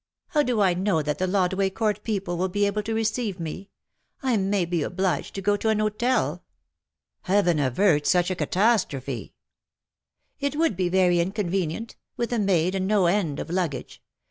How do I know that the Lodway Court people will be able to receive me. I may be obliged to go to an hotel." ^^ Heaven avert such a catastrophe/' " It would be very inconvenient — with a maid, and no end of luggage.